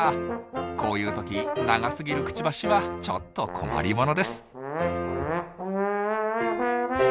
こういう時長すぎるクチバシはちょっと困りものです。